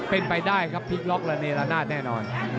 เป็นไปได้ครับพลิกล็อกระเนละนาดแน่นอน